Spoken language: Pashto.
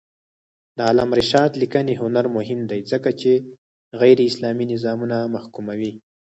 د علامه رشاد لیکنی هنر مهم دی ځکه چې غیراسلامي نظامونه محکوموي.